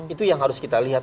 itu yang harus kita lihat